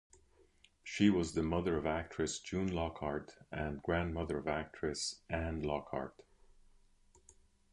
She was the mother of actress June Lockhart and grandmother of actress Anne Lockhart.